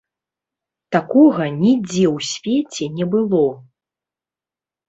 Такога нідзе ў свеце не было!